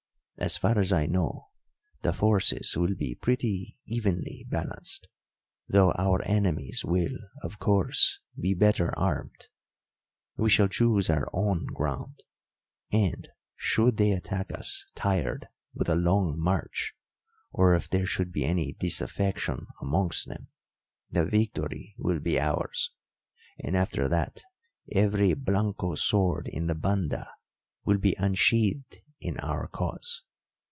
As far as I know, the forces will be pretty evenly balanced, though our enemies will, of course, be better armed. We shall choose our own ground; and, should they attack us tired with a long march, or if there should be any disaffection amongst them, the victory will be ours, and after that every Blanco sword in the Banda will be unsheathed in our cause.